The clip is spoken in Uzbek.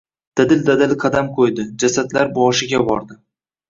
Dadil-dadil qadam qo‘ydi. Jasadlar boshiga bordi.